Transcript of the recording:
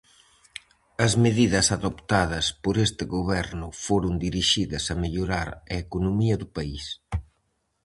As medidas adoptadas por este goberno foron dirixidas a mellorar a economía do país.